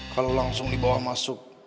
kalau langsung dibawah masuk